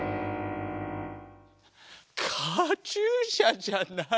カチューシャじゃない。